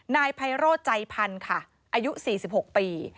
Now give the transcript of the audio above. นายไพโรธใจพันธุ์ค่ะอายุ๔๖ปี